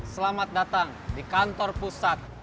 selamat datang di kantor pusat